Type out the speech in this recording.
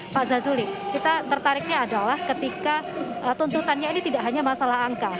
pak zazuli kita tertariknya adalah ketika tuntutannya ini tidak hanya masalah angka